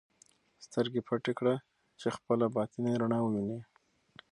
سترګې پټې کړه چې خپله باطني رڼا ووینې.